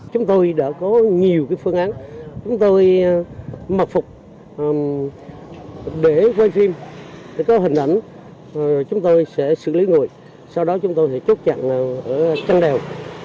chúng tôi đã có nhiều phương án chúng tôi mật phục để quay phim để có hình ảnh chúng tôi sẽ xử lý ngồi sau đó chúng tôi sẽ chốt chặn ở chân đèo